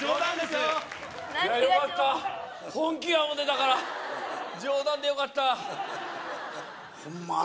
よかった本気や思てたから冗談でよかったホンマ頭